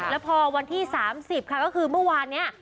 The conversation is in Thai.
แล้วพอวันที่๓๐ค่ะก็คือเมื่อวานนี้